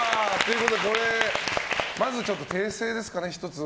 まず訂正ですかね、１つ。